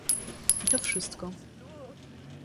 "I to wszystko."